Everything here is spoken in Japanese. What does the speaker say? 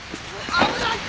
危ない！